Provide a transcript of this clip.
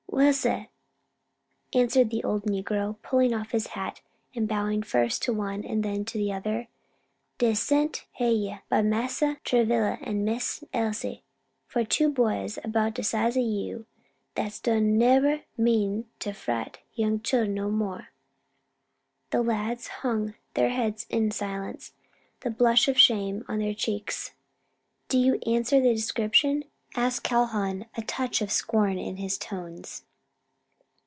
"Well, sah," answered the old negro, pulling off his hat and bowing first to one, then to the other, "dey's sent heyah, by Massa Travilla and Miss Elsie, for two boys 'bout de size o' you, dat don' neber mean to frighten young chillen no mo'." The lads hung their heads in silence, the blush of shame on their cheeks. "Do you answer the description?" asked Calhoun, a touch of scorn in his tones.